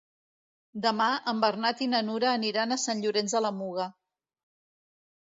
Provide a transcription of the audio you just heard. Demà en Bernat i na Nura aniran a Sant Llorenç de la Muga.